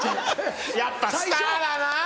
やっぱスターだな！